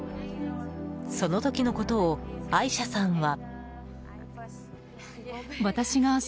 その時のことをアイシャさんは。